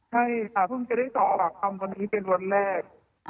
ใช่ค่ะเพิ่งจะได้สอบปากคำวันนี้เป็นวันแรก